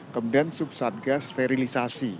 kemudian sub satgas sferilisasi